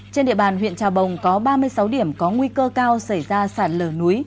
trên địa bàn huyện trà bồng có ba mươi sáu điểm có nguy cơ cao xảy ra sạt lở núi